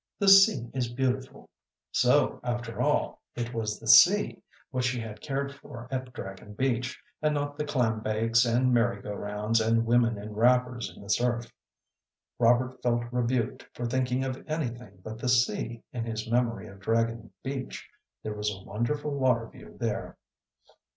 The sea is beautiful." So, after all, it was the sea which she had cared for at Dragon Beach, and not the clam bakes and merry go rounds and women in wrappers in the surf. Robert felt rebuked for thinking of anything but the sea in his memory of Dragon Beach; there was a wonderful water view there.